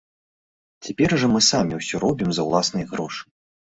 Цяпер жа мы самі ўсё робім за ўласныя грошы.